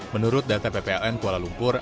menurut data ppln kuala lumpur